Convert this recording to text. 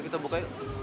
kita buka yuk